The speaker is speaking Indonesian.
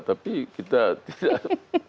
tapi kita tidak